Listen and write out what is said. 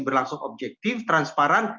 berlangsung objektif transparan